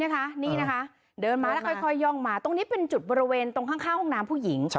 มีไฟลุกแล้วคุณจะดูค่ะแล้วค่อยโย่งมาตรงนี้เป็นจุดบริเวณข้างห้องน้ำผู้หญิง